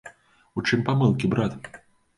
У чым памылкі, брат?